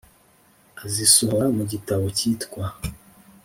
azisohora mu gitabo kitwa